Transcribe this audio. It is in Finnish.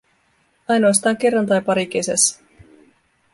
Ainoastaan kerran tai pari kesässä.